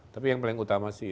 tapi yang paling utama sih